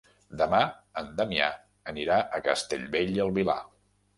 Demà en Damià anirà a Castellbell i el Vilar.